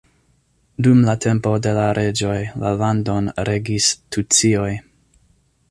Dum la tempo de la reĝoj, la landon regis tucioj.